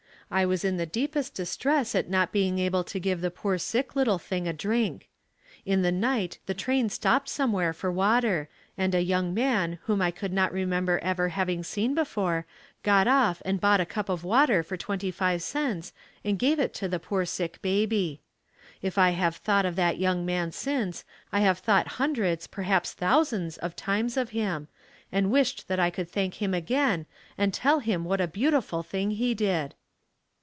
I was in the deepest distress at not being able to give the poor sick little thing a drink. In the night the train stopped somewhere for water and a young man whom I could not remember ever having seen before got off and bought a cup of water for twenty five cents and gave it to the poor, sick baby. If I have thought of that young man once I have thought hundreds, perhaps thousands of times of him and wished that I could thank him again and tell him what a beautiful thing he did.